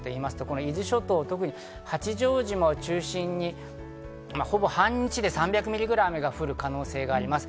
伊豆諸島、特に八丈島を中心にほぼ半日で３００ミリぐらいの雨が降る可能性があります。